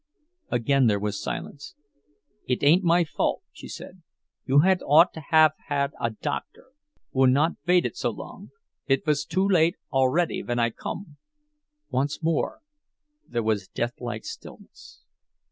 Again there was silence. "It ain't my fault," she said. "You had ought to haf had a doctor, und not vaited so long—it vas too late already ven I come." Once more there was deathlike stillness.